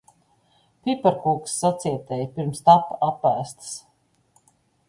Piparkūkas sacietēja, pirms tapa apēstas.